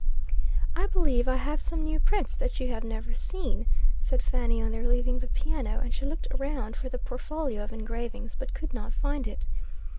"I believe I have some new prints that you have never seen," said Fanny on their leaving the piano, and she looked around for the portfolio of engravings, but could not find it.